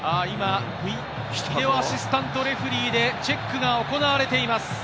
ビデオ・アシスタント・レフェリーがチェックが行われています。